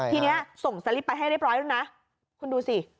ทีนี้ส่งสลิปไปให้เรียบร้อยแล้วนะคุณดูสิ